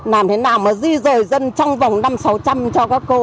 làm thế nào mà di rời dân trong vòng năm sáu trăm linh cho các cô